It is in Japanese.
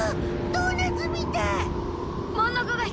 ドーナツみたい！